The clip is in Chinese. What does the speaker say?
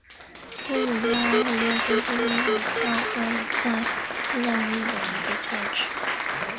天主教阿奎教区是天主教会在义大利的一个教区。